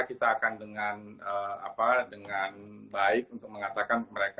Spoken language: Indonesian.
kita akan dengan baik untuk mengatakan mereka